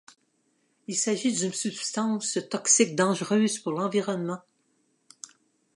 Il s'agit d'une substance toxique dangereuse pour l'environnement.